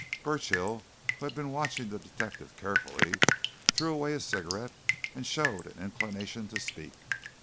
Burchill, who had been watching the detective carefully, threw away his cigarette and showed an inclination to speak.